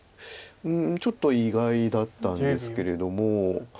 ちょっと意外だったんですけれども。